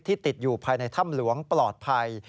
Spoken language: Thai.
ติดอยู่ภายในถ้ำหลวงปลอดภัย